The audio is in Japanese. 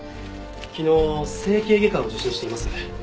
昨日整形外科を受診しています。